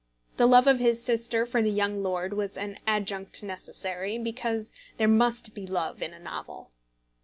The love of his sister for the young lord was an adjunct necessary, because there must be love in a novel.